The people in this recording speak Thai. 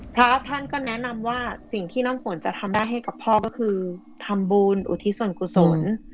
พระท่านก็แนะนำว่าสิ่งที่น้ำฝนจะทำได้ให้กับพ่อก็คือทำบุญอุทิศส่วนกุศล